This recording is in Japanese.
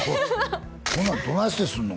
こんなどないしてすんの？